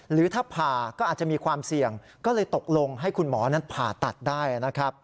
หรือถ้าผ่าก็อาจจะมีความเสี่ยงก็เลยตกลงให้คุณหมอนั้นผ่าตัดได้นะครับ